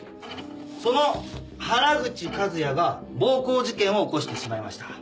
その原口和也が暴行事件を起こしてしまいました。